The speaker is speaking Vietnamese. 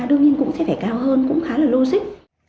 đương nhiên cũng sẽ phải cao hơn cũng khá là logic